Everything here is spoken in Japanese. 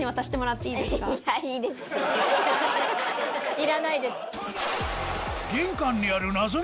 いらないです。